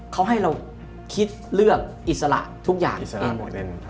เขาให้เราคิดเลือกอิสระทุกอย่างอิสระ